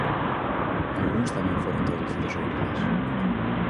Algúns tamén foron traducidos ó inglés.